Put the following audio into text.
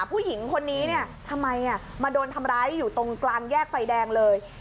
ผู้หญิงคนนี้เนี่ยทำไมมาโดนทำร้ายอยู่ตรงกลางแยกไฟแดงเลย